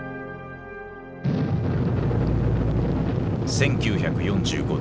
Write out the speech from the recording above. １９４５年。